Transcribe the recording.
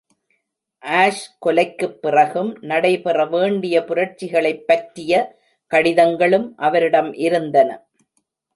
Ash கொலைக்கு பிறகும் நடைபெற வேண்டிய புரட்சிகளைப் பற்றிய கடிதங்களும் அவரிடம் இருந்தன.